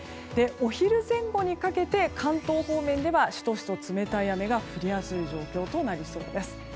お昼前後にかけて関東方面ではしとしと冷たい雨が降りやすい状況となりそうです。